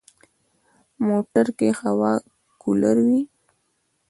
موټر کې هوا کولر وي.